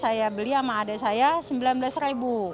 saya beli sama adik saya rp sembilan belas